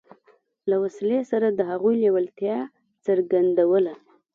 له وسلې سره د هغوی لېوالتیا څرګندوله.